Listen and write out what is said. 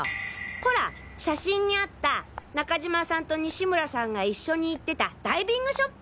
ほら写真にあった中島さんと西村さんが一緒に行ってたダイビングショップ！